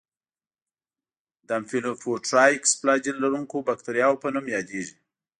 د امفیلوفوټرایکس فلاجیل لرونکو باکتریاوو په نوم یادیږي.